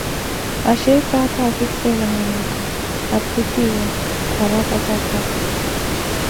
Axhirikha aka, akifwela mwanaka, aphitiwa kwarakwattakwa.